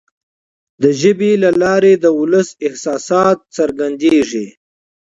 د ژبي له لارې د ولس احساسات څرګندیږي.